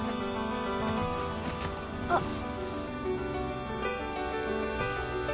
あっ。